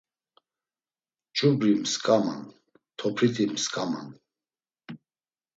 Ç̌ubri msǩaman, topriti msǩaman.